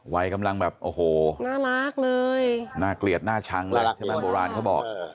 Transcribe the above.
ไว้กำลังแบบโอ้โหน่าเกลียดน่าชั้นใช่ไหมโบราณเขาบอก